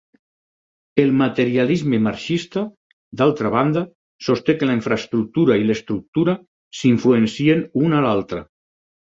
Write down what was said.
El materialisme marxista, d'altra banda, sosté que la infraestructura i l'estructura s'influencien una a l'altra.